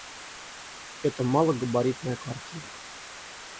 Это малогабаритная квартира.